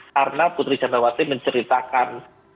karena putri candrawati menceritakan